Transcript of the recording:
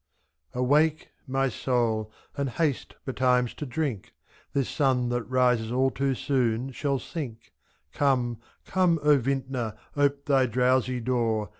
21 Awake! my soul, and haste betimes to drink. This sun that rises all too soon shall sink, —^' Come, come, O vintner, ope thy drowsy door!